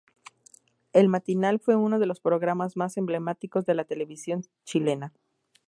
El matinal fue uno de los programas más emblemáticos de la televisión chilena.